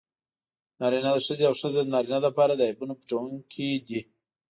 نارینه د ښځې او ښځه د نارینه لپاره د عیبونو پټوونکي دي.